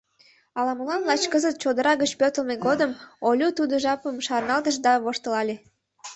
Ала-молан лач кызыт, чодыра гыч пӧртылмӧ годым, Олю тудо жапым шарналтыш да воштылале.